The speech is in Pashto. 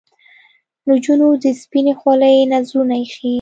نجونو د سپنې خولې نذرونه ایښي